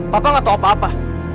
papa gak tau apa apa